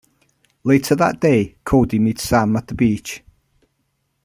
Later that day, Cody meets Sam at the beach.